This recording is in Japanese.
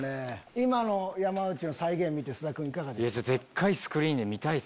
今の山内の再現見て菅田君いかがでした？